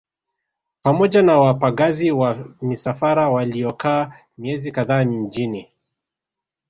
Pamoja na wapagazi wa misafara waliokaa miezi kadhaa mjini